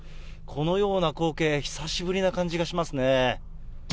このような光景、久しぶりな感じがしますね。